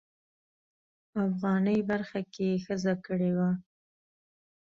افغاني برخه کې یې ښځه کړې وه.